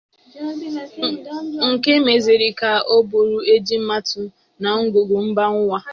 nke mezịrị ka ọ bụrụ ejiamaatụ n'ogoogo mba ụwa.